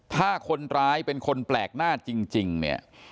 ถ้าคนร้ายเป็นคนแปลกหน้าจริงเนี่ย